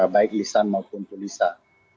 baik lisan maupun tulisan